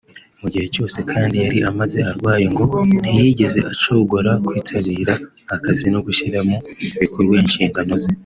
Mugihe cyose kandi yari amaze arwaye ngo ntiyigeze acogora kwitabira akazi no gushyira mu bikorwa inshingano ze